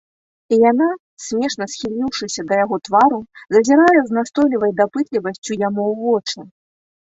І яна, смешна схіліўшыся да яго твару, зазірае з настойлівай дапытлівасцю яму ў вочы.